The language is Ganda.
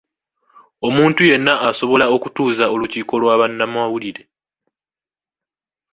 Omuntu yenna asobola okutuuza olukiiko lwa bannamawulire.